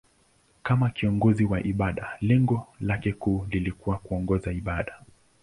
Kama kiongozi wa ibada, lengo lake kuu lilikuwa kuongoza ibada.